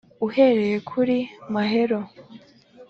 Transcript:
Uhereye kuri "Mahero"